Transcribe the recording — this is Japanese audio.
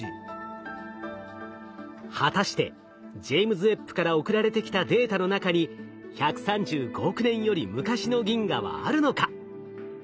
果たしてジェイムズ・ウェッブから送られてきたデータの中に１３５億年より昔の銀河はあるのか？